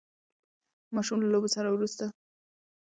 ماشوم له لوبو وروسته ستړی خو خوشحال کور ته راغی